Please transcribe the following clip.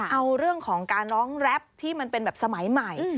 เอาเรื่องของการร้องแรปที่มันเป็นแบบสมัยใหม่